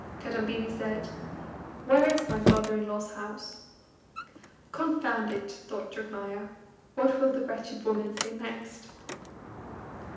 Kadambini said: "Where is my father in law's house?" "Confound it!" thought Jogmaya. "What will the wretched woman say next?"